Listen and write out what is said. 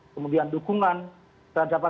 kemudian dukungan terhadap